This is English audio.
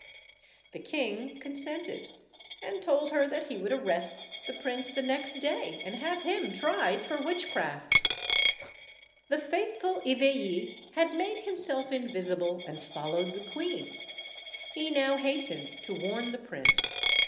The king consented, and told her that he would arrest the prince the next day, and have him tried for witch craft. The faithful Eveille had made himself invisible and followed the queen; he now hastened to warn the prince.